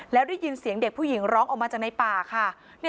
แล้วได้ยินเสียงเด็กผู้หญิงร้องออกมาจากในป่าค่ะ